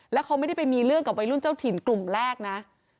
แล้วเขาไม่ได้ไปมีเรื่องกับวัยรุ่นเจ้าถิ่นกลุ่มแรกนะ